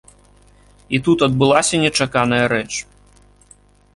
І тут адбылася нечаканая рэч.